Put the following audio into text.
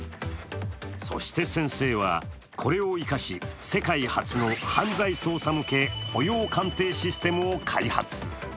そして先生は、これを生かし世界初の犯罪捜査向け歩容鑑定システムを開発。